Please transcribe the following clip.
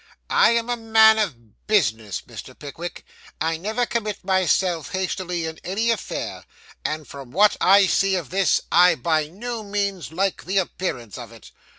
I am a man of business, Mr. Pickwick. I never commit myself hastily in any affair, and from what I see of this, I by no means like the appearance of it.